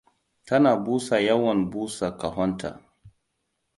Tana busa yawan busa kahonta.